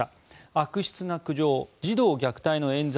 悪質な苦情、児童虐待のえん罪